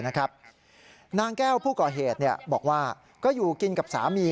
นางแก้วผู้ก่อเหตุบอกว่าก็อยู่กินกับสามี